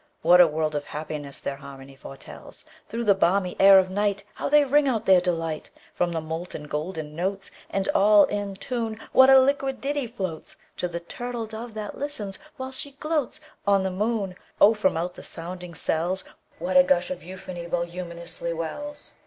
What a world of happiness their harmony foretells! Through the balmy air of nightHow they ring out their delight! From the molten golden notes, And all in tune, What a liquid ditty floatsTo the turtle dove that listens, while she gloatsOn the moon! Oh, from out the sounding cells, What a gush of euphony voluminously wells!